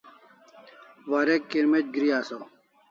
Warek kirmec' gri asaw